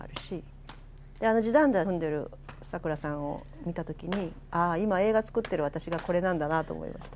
あのじだんだ踏んでるサクラさんを見た時にああ今映画作ってる私がこれなんだなと思いました。